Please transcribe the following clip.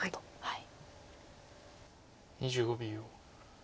２５秒。